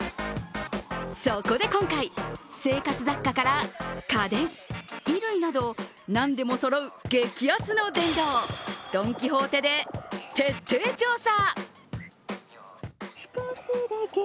そこで今回、生活雑貨から家電、衣類など何でもそろう激安の殿堂、ドン・キホーテで徹底調査。